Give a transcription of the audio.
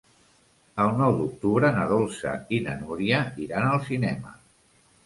El nou d'octubre na Dolça i na Núria iran al cinema.